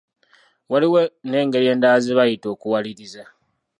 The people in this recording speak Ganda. Waliwo n'engeri endala ze bayita okuwaliriza .